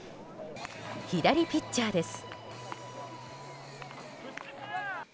左ピッチャーです。